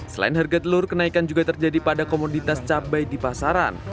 selain harga telur kenaikan juga terjadi pada komoditas cabai di pasaran